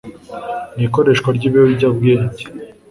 n’ikoreshwa ry’ibiyobyabwenge